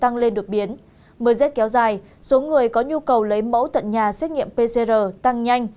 tăng lên đột biến mưa rét kéo dài số người có nhu cầu lấy mẫu tận nhà xét nghiệm pcr tăng nhanh